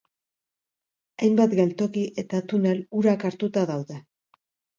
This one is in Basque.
Hainbat geltoki eta tunel urak hartuta daude.